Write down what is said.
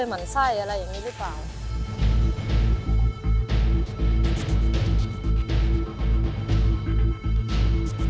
สวัสดีครับที่ได้รับความรักของคุณ